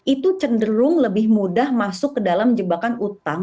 itu cenderung lebih mudah masuk ke dalam jebakan utang